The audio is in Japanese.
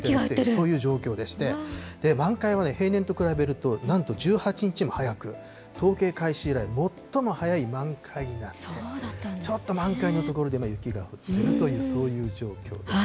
そういう状況でして、満開は平年と比べるとなんと１８日も早く、統計開始以来、最も早い満開になって、ちょっと満開の所でも雪が降ってるという、そういう状況です。